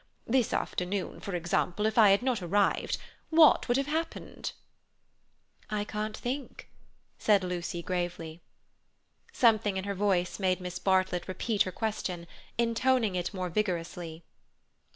This afternoon, for example, if I had not arrived, what would have happened?" "I can't think," said Lucy gravely. Something in her voice made Miss Bartlett repeat her question, intoning it more vigorously.